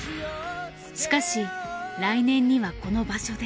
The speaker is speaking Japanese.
しかし来年にはこの場所で。